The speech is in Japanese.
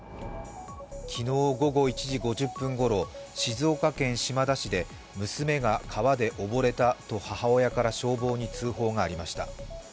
昨日午後１時５０分ごろ静岡県島田市で娘が川で溺れたと母親から消防に通報がありました。